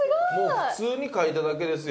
もう普通に書いただけですよ。